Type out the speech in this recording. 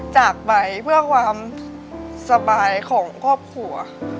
จากไปเพื่อความสบายของครอบครัว